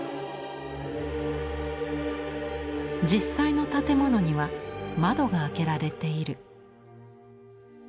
実際の建物には窓が開けられている。